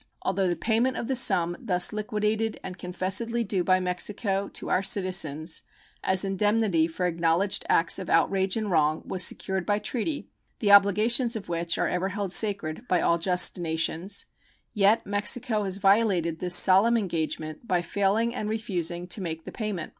Although the payment of the sum thus liquidated and confessedly due by Mexico to our citizens as indemnity for acknowledged acts of outrage and wrong was secured by treaty, the obligations of which are ever held sacred by all just nations, yet Mexico has violated this solemn engagement by failing and refusing to make the payment.